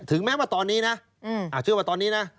ถึงแม้ว่าตอนนี้นะ